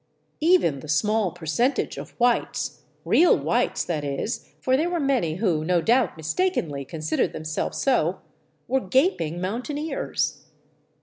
Even the small percentage of whites — real whites, that is, for there were many who no doubt mistakenly consid ered themselves so — were gaping mountaineers.